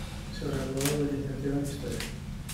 Se graduó de licenciado en Historia.